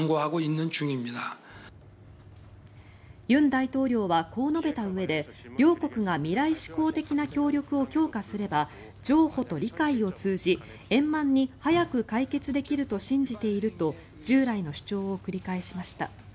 尹大統領はこう述べたうえで両国が未来志向的な協力を強化すれば譲歩と理解を通じ円満に早く解決できると信じていると従来の主張を繰り返しました。